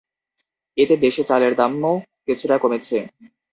এতে দেশে চালের দামও কিছুটা কমেছে।